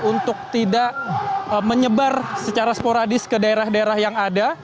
untuk tidak menyebar secara sporadis ke daerah daerah yang ada